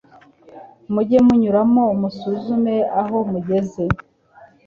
Mujye munyuzamo musuzume aho mugeze